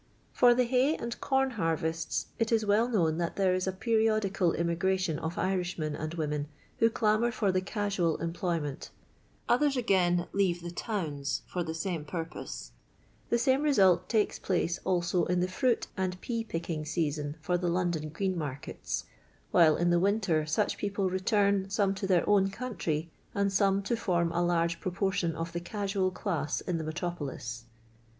For the hay and com harvests it is well known that there is a periodical immigration of Irishmen and women, who clamour for the catwU employ mont; others, again, leave the towns for the same purpose ; the samo result takes place also in the fruit and pea picking season for the London green narketa; while in the winter such people retmn tome to their own country, aiKi some to form a large proportion of the casual class in the metro polis.